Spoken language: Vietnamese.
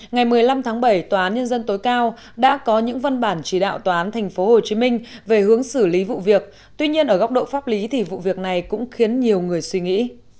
ngày một mươi năm tháng bảy tòa án nhân dân tối cao đã có những văn bản chỉ đạo tòa án tp hcm về hướng xử lý vụ việc tuy nhiên ở góc độ pháp lý thì vụ việc này cũng khiến nhiều người suy nghĩ